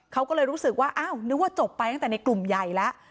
เขาก็เลยรู้สึกว่าอ้าวนึกว่าจบไปตั้งแต่ในกลุ่มใหญ่แล้ว